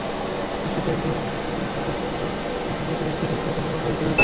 রাস্তায় কয়েকজন সিড়িঙ্গে লোক দাঁড়ানো, হাতে লাঠি, একজনের কাঁধে আবার রাইফেল।